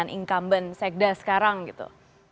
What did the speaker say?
misalnya dengan incumbent sekda sekarang gitu